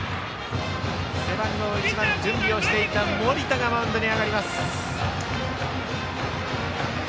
背番号１番、準備をしていた盛田がマウンドに上がります。